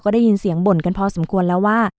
ได้ยินเสียงบ่นกันพอสมควรแล้วว่า